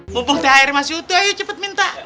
pupuk teh air mas yudha ayo cepet minta